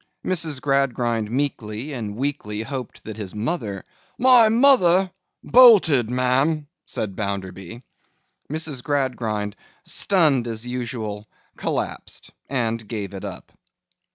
Mrs. Gradgrind meekly and weakly hoped that his mother— 'My mother? Bolted, ma'am!' said Bounderby. Mrs. Gradgrind, stunned as usual, collapsed and gave it up.